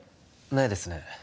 ないですね